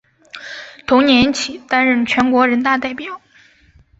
同年起担任全国人大代表。